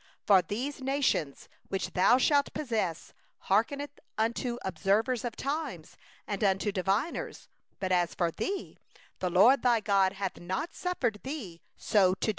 14For these nations, that thou art to dispossess, hearken unto soothsayers, and unto diviners; but as for thee, the LORD thy God hath not suffered thee so to do.